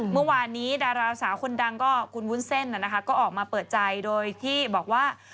เมื่อวานนี้ดาราสาวคนดังก็คุณวุ้นเส้นก็ออกมาเปิดใจโดยที่บอกว่า